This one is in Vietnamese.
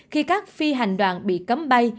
khi các phi hành đoạn bị cấm bay